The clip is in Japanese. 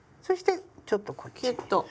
そしてちょっとこっちに。